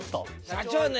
社長ね